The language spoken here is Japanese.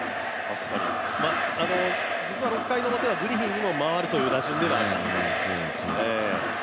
実は６回表にはグリフィンにも回るという打順ではあります。